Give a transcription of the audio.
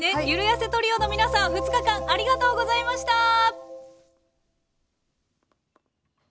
ゆるやせトリオの皆さん２日間ありがとうございました！